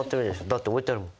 だって置いてあるもん。